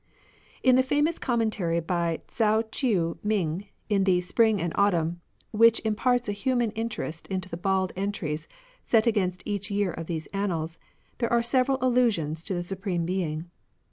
In the famous Commentary by J^n^Vain Tso ch'iu Ming on the Spring and Autumn, which imparts a human in terest to the bald entries set against each year of these annals, there are several al lusions to the Supreme Being.